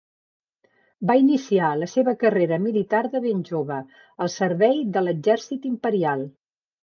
Va iniciar la seva carrera militar de ben jove, al servei de l'exèrcit imperial.